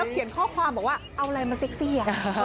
เขียนข้อความบอกว่าเอาอะไรมาเซ็กซี่